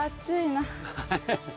ハハハハッ。